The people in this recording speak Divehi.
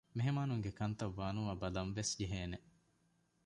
މެހެމާނުންގެ ކަންތައް ވާނުވާ ބަލަންވެސް ޖެހޭނެ